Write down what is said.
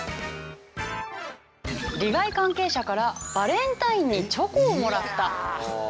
利害関係者からバレンタインにチョコをもらった。